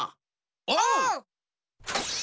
おう！